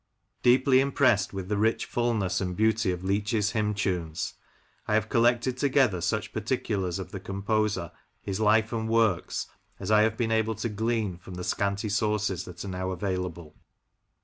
Deeply impressed with the rich fulness and beauty of Leach's hymn tunes, I have collected together such particulars of the composer, his life and works, as I have been able to glean from the scanty sources that are now available.